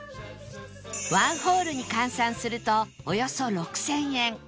ワンホールに換算するとおよそ６０００円